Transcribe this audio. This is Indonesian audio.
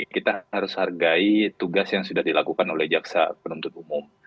kita harus hargai tugas yang sudah dilakukan oleh jaksa penuntut umum